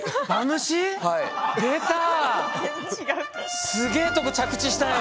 出た！